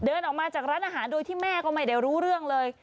เดินออกมาจากร้านอาหารโดยที่แม่ก็ไม่ได้รู้เรื่องเลย